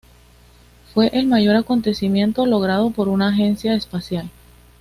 Fue el mayor acontecimiento logrado por una agencia espacial.